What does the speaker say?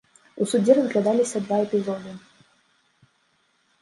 У судзе разглядаліся два эпізоды.